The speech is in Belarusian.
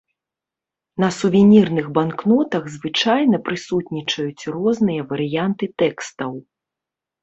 На сувенірных банкнотах звычайна прысутнічаюць розныя варыянты тэкстаў.